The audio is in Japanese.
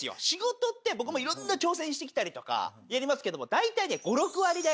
仕事って僕もいろんな挑戦して来たりとかやりますけども大体ね。